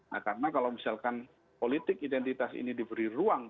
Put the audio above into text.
nah karena kalau misalkan politik identitas ini diberi ruang